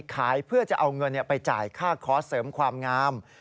ขายเพื่อจะเอาเงินไปจ่ายค่าคอร์สเสริมความงาม